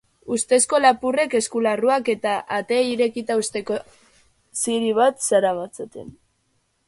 Ustezko lapurrek eskularruak eta ateei irekita eusteko ziri bat zeramatzaten.